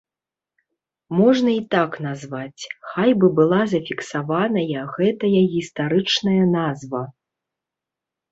Можна і так назваць, хай бы была зафіксаваная гэтая гістарычная назва.